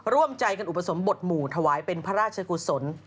ร่วมใจกันอุปสมบทหมู่ถวายเป็นพระราชกุศล